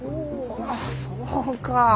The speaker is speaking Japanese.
おそうか。